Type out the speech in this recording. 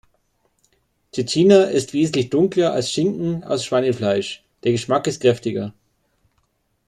Cecina ist wesentlich dunkler als Schinken aus Schweinefleisch, der Geschmack ist kräftiger.